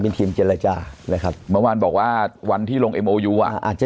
เป็นทีมเจรจานะครับเมื่อวานบอกว่าวันที่ลงอ่าอาจจะ